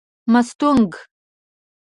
مستونگ